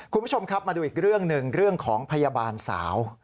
คุณผู้ชมครับมาดูอีกเรื่องหนึ่งเรื่องของพยาบาลสาว